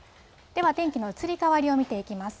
では、天気の移り変わりを見ていきます。